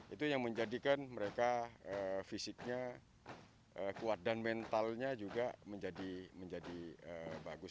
itu yang menjadikan mereka fisiknya kuat dan mentalnya juga menjadi bagus